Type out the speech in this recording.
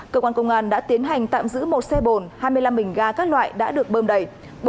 cơ quan công an đã tiến hành tạm giữ một xe bồn hai mươi năm bình ga các loại đã được bơm đầy